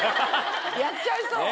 やっちゃいそう。